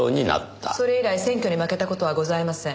それ以来選挙に負けた事はございません。